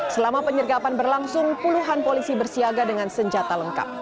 selama penyergapan berlangsung puluhan polisi bersiaga dengan senjata lengkap